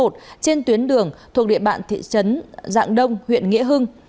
trên tuyến đường thuộc địa bản thị trấn dạng đông huyện nghĩa hưng